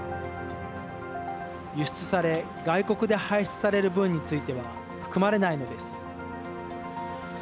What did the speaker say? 輸出され、外国で排出される分については含まれないのです。